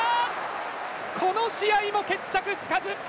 この試合も決着つかず！